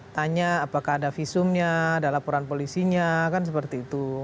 tanya apakah ada visumnya ada laporan polisinya kan seperti itu